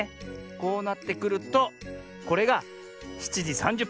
こうなってくるとこれが７じ３０ぷん。